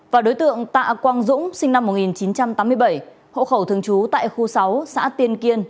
và đối tượng tạ quang dũng sinh năm một nghìn chín trăm tám mươi bảy hộ khẩu thường trú tại khu sáu xã tiên kiên